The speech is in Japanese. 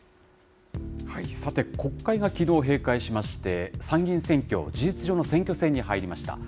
さて、国会がきのう閉会しまして、参議院選挙、事実上の選挙戦に入りました。